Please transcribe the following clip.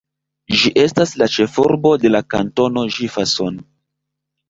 Ĝi estas la ĉefurbo de la Kantono Jefferson.